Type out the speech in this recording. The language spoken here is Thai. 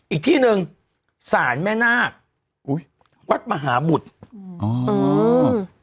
อีกที่หนึ่งศาหรณ์แม่นาคอุ้ยวัทย์มหบุตรอออืม